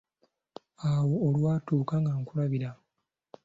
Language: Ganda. Awo olwatuuka nga nkulabira